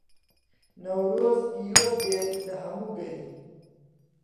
نەورۆز پیرۆزبێت لە هەموو گەلی